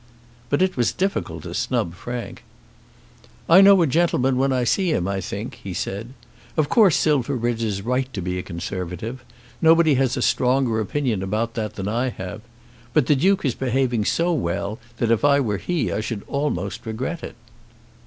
But it was difficult to snub Frank. "I know a gentleman when I see him, I think," he said. "Of course Silverbridge is right to be a Conservative. Nobody has a stronger opinion about that than I have. But the Duke is behaving so well that if I were he I should almost regret it."